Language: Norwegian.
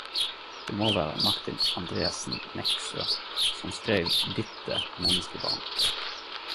Det må vere Martin Andersen Nexø som skreiv Ditte menneskebarn.